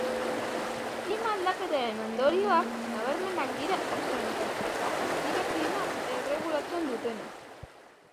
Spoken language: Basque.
Klima aldaketaren ondorioak nabarmenak dira ozeanoetan eta hauek dira klima erregulatzen dutenak.